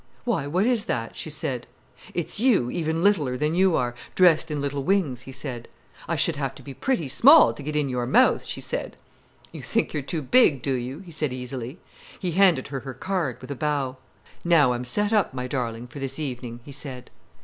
"Why, what is that?" she said. "It's you, even littler than you are, dressed in little wings," he said. "I should have to be pretty small to get in your mouth," she said. "You think you're too big, do you!" he said easily. He handed her her card, with a bow. "Now I'm set up, my darling, for this evening," he said.